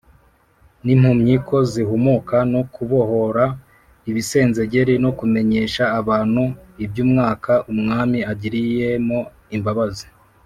n’impumyi ko zihumuka, no kubohora ibisenzegeri, no kumenyesha abantu iby’umwaka umwami agiriyemo imbabazi